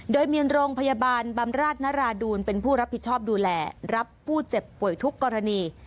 โดยมีโรงพยาบาลบำราชนราดูลเป็นผู้รับผิดชอบดูแลรับผู้เจ็บป่วยทุกกรณี